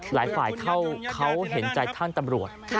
หลายฝ่ายเขาเห็นใจท่านตำรวจ